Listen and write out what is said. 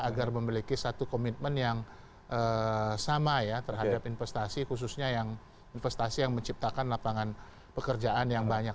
agar memiliki satu komitmen yang sama ya terhadap investasi khususnya yang investasi yang menciptakan lapangan pekerjaan yang banyak